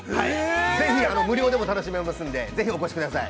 ぜひ、無料でも楽しめますんで、ぜひお越しください。